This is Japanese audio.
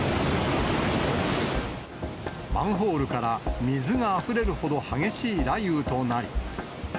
マンホールから水があふれるほど激しい雷雨となり。